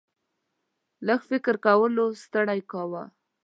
لږ فکر کولو ستړی کاوه.